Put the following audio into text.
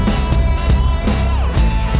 masih lu nunggu